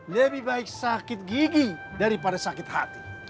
lebih baik sakit gigi daripada sakit hati